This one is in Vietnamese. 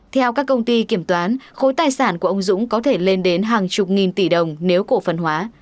theo các công ty kiểm toán khối tài sản của ông dũng có thể lên đến hàng chục nghìn tỷ đồng nếu cổ phần hóa